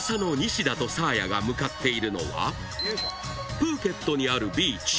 プーケットにあるビーチ